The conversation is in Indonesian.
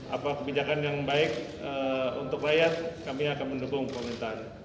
apa kebijakan yang baik untuk rakyat kami akan mendukung pemerintahan